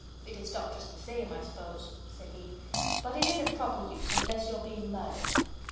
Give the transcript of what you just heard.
"It 'ud stop just the same, I suppose," said he, "but it isn't proper use unless you're being murdered.